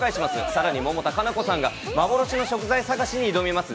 さらに百田夏菜子さんが幻の食材探しに挑みます。